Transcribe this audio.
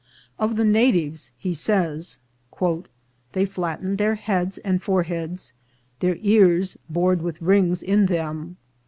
Of the natives he says, " They flattened their Heads and Foreheads, their Ears bor'd with Rings in them.